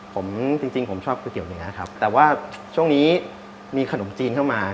ผมจริงผมชอบก๋วเนื้อครับแต่ว่าช่วงนี้มีขนมจีนเข้ามา